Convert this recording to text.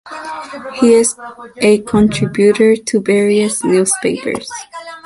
He is a contributor to various newspapers.